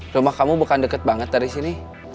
rumah kamu bukan deket banget dari sini